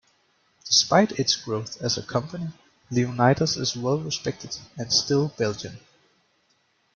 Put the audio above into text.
Despite its growth as a company, Leonidas is well-respected and still Belgian.